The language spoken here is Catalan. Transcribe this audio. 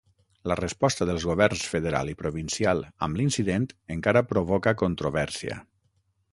La resposta dels governs federal i provincial amb l'incident encara provoca controvèrsia.